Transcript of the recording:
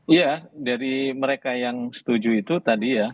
iya dari mereka yang setuju itu tadi ya